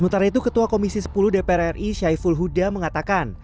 tentu ketua komisi sepuluh dpr ri syaiful huda mengatakan